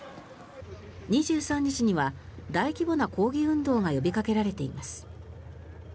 ２３日には大規模な抗議運動が呼びかけられています。